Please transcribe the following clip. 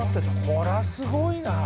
こりゃすごいな。